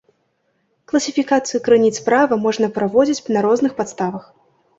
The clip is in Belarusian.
Класіфікацыю крыніц права можна праводзіць на розных падставах.